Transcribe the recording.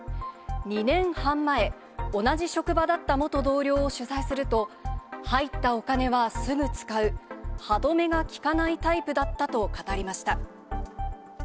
２年半前、同じ職場だった元同僚を取材すると、入ったお金はすぐ使う、歯止めが利かないタイプだったと語りました。